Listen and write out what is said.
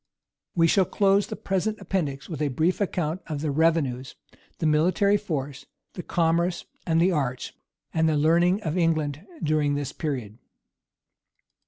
We shall close the present Appendix with a brief account of the revenues, the military force, the commerce, the arts, and the learning of England during this period.